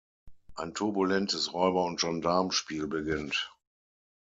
Ein turbulentes Räuber- und Gendarm-Spiel beginnt.